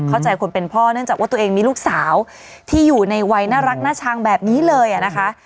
เข้าใจคนเป็นพ่อเนื่องจากว่าตัวเองมีลูกสาวที่อยู่ในวัยน่ารักน่าชังแบบนี้เลยอ่ะนะคะ